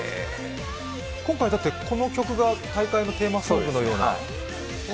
今回、この曲がテーマソングのような。